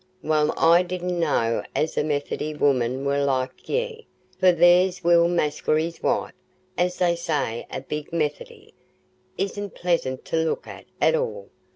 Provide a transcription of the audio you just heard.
"Well, I didna know as the Methody women war like ye, for there's Will Maskery's wife, as they say's a big Methody, isna pleasant to look at, at all.